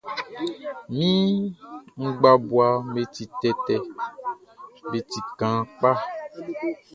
Mi ngbabuaʼm be ti tɛtɛ, be ti kaan kpa.